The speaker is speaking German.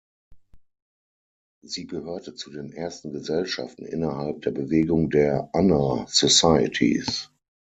Sie gehörte zu den ersten Gesellschaften innerhalb der Bewegung der Honor Societies.